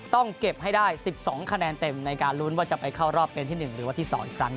ต้องเก็บให้ได้๑๒คะแนนเต็มในการลุ้นว่าจะไปเข้ารอบเป็นที่๑หรือว่าที่๒อีกครั้ง